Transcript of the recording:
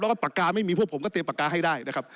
แล้วก็ปากกาไม่มีพวกผมก็เตรียมปากกาให้ได้นะครับ